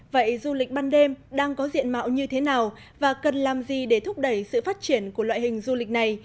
vậy du lịch ban đêm đang có diện mạo như thế nào và cần làm gì để thúc đẩy sự phát triển của loại hình du lịch này